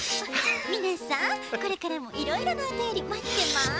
みなさんこれからもいろいろなおたよりまってます。